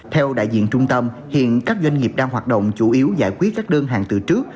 theo đại diện trung tâm hiện các doanh nghiệp đang hoạt động chủ yếu giải quyết các đơn hàng từ trước